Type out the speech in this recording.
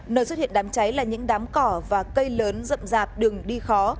nơi xuất hiện đám cháy là những đám cỏ và cây lớn rậm rạp đường đi khó